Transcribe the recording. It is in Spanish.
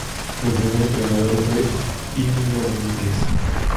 Su primer entrenador fue Íñigo Domínguez.